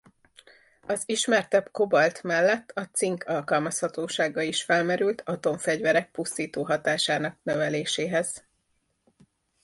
Az ismertebb kobalt mellett a cink alkalmazhatósága is felmerült atomfegyverek pusztító hatásának növeléséhez.